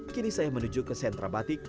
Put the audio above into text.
kini saya menuju ke sentra batik